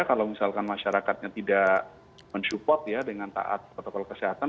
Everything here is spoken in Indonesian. kalau misalkan masyarakatnya tidak mensupport ya dengan taat protokol kesehatan